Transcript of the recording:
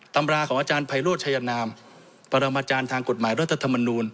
ตำราของอาจารย์ไพโรธชายนามปรมาจารย์ทางกฎหมายรัฐธรรมนูล